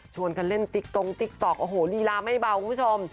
กันเล่นติ๊กตรงติ๊กต๊อกโอ้โหลีลาไม่เบาคุณผู้ชม